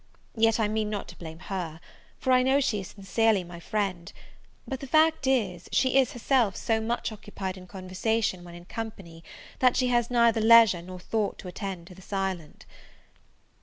Yet I mean not to blame her, for I know she is sincerely my friend; but the fact is, she is herself so much occupied in conversation, when in company, that she has neither leisure nor thought to attend to the silent.